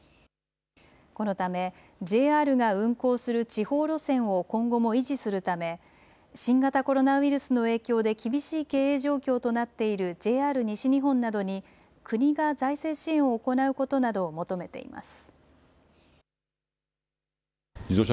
このためＪＲが運行する地方路線を今後も維持するため新型コロナウイルスの影響で厳しい経営状況となっているＪＲ西日本などに国が財政支援を行うことなどを求めています。